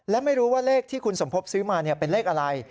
และไม่รู้ว่าเลขที่คุณสมภพซื้อมาเป็นเลขอะไร